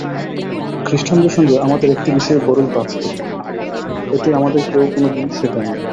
খ্রীষ্টানদের সঙ্গে আমাদের একটি বিষয়ে বড়ই পার্থক্য, এটি আমাদের কেউ কোন দিন শেখায়নি।